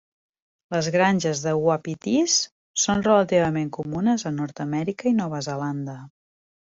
Les granges de uapitís són relativament comunes a Nord-amèrica i Nova Zelanda.